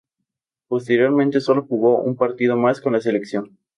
Posteriormente solo jugó un partido más con la selección.